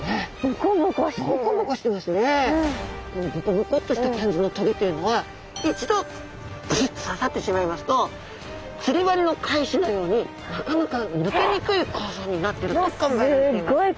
このボコボコっとした感じの棘っていうのは一度ぶすっと刺さってしまいますと釣り針の返しのようになかなか抜けにくい構造になってると考えられています。